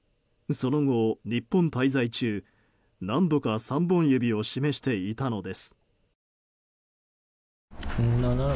その後、日本滞在中何度か３本指を示していたのです。